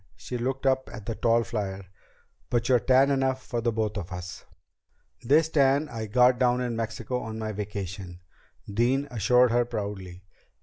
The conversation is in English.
She looked up at the tall flier. "But you're tan enough for both of us." "This tan I got down in Mexico on my vacation," Dean assured her proudly.